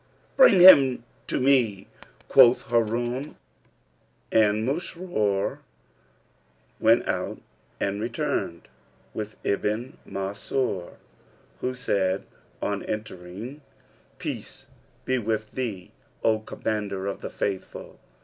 "[FN#327] "Bring him to me," quoth Harun: and Masrur went out and returned with Ibn Mansur, who said, on entering, "Peace be with thee, O Commander of the Faithful!"